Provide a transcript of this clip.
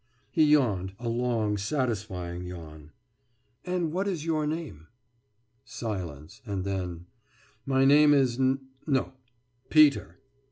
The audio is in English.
« He yawned a long satisfying yawn. »And what is your name?« Silence ... and then: »My name is ... N no! Peter.